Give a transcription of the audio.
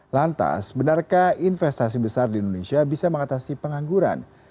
lantas benarkah investasi besar di indonesia bisa mengatasi pengangguran